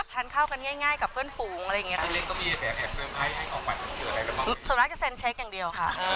ทานเข้ากันง่ายกับเพื่อนฝูงอะไรอย่างเงี้ย